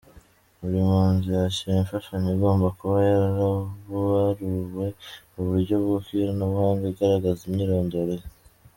Buri mpunzi yakira imfashanyo igomba kuba yarabaruwe mu buryo bw’ikoranabuhanga, igaragaza imyirondoro ye.